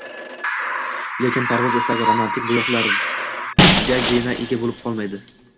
Lekin parvoz istagi romantik bo’yoqlargagina ega bo’lib qolmaydi.